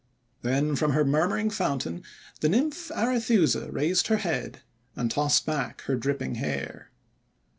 Then from her murmuring fountain the Nymph Arethusa raised her head, and tossed back her dripping hair.